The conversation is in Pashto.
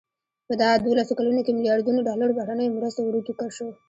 په دا دولسو کلونو کې ملیاردونو ډالرو بهرنیو مرستو ورود شو.